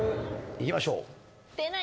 いきましょう。